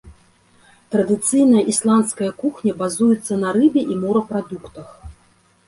Традыцыйная ісландская кухня базуецца на рыбе і морапрадуктах.